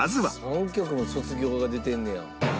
「３曲も『卒業』が出てんねや」